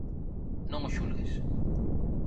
Non o xulgues.